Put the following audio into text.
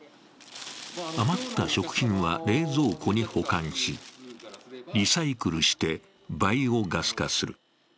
余った食品は冷蔵庫に保管し、リサイクルしてバイオガス化する。